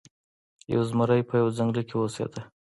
یو زمری په یوه ځنګل کې اوسیده.